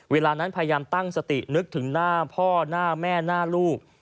เวลานั้นพยายามตั้งสตินึกถึงหน้าพ่อหน้าแม่หน้าลูก